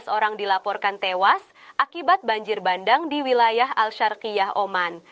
tujuh belas orang dilaporkan tewas akibat banjir bandang di wilayah al sharkiyah oman